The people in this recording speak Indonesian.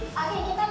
selamat pagi kak